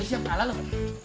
siap kalah loh